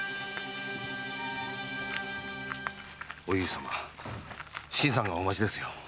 お由利様新さんがお待ちですよ。